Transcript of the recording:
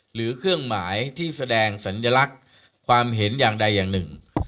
หรือเครื่องหมายที่แสดงสัญลักษณ์ความเห็นอย่างใดอย่างหนึ่ง